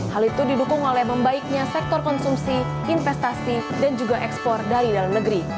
hal itu didukung oleh membaiknya sektor konsumsi investasi dan juga ekspor dari dalam negeri